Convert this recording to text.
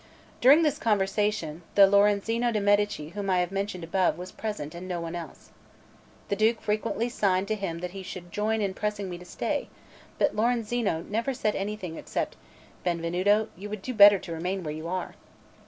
During this conversation, the Lorenzino de' Medici whom I have above mentioned was present, and no one else. The Duke frequently signed to him that he should join in pressing me to stay; but Lorenzino never said anything except: "Benvenuto, you would do better to remain where you are."